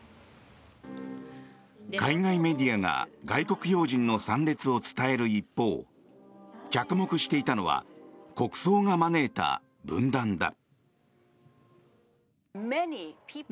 海外メディアが外国要人の参列を伝える一方着目していたのは国葬が招いた分断だ。